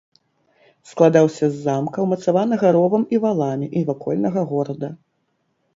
Складаўся з замка, умацаванага ровам і валамі, і вакольнага горада.